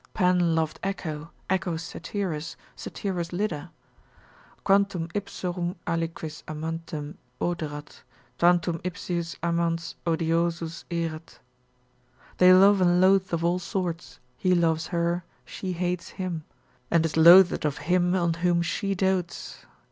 Pan loved Echo, Echo Satyrus, Satyrus Lyda. Quantum ipsorum aliquis amantem oderat, Tantum ipsius amans odiosus erat. They love and loathe of all sorts, he loves her, she hates him; and is loathed of him, on whom she dotes.